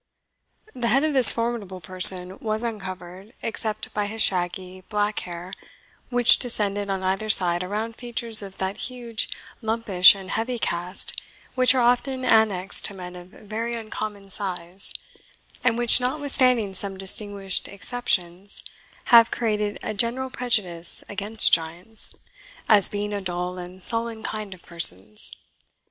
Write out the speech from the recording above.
The head of this formidable person was uncovered, except by his shaggy, black hair, which descended on either side around features of that huge, lumpish, and heavy cast which are often annexed to men of very uncommon size, and which, notwithstanding some distinguished exceptions, have created a general prejudice against giants, as being a dull and sullen kind of persons.